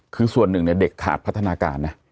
คือส่วนหนึ่งเนี่ยเด็กขาดพัฒนาการนะ